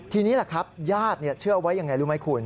ทีนี้แหละครับญาติเชื่อไว้ยังไงรู้ไหมคุณ